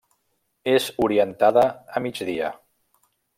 És orientada a migdia.